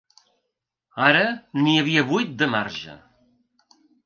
Ara n’hi havia vuit de marge.